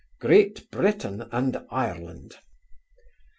'Great Britain and Ireland.